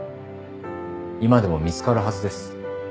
今でも見つかるはずです。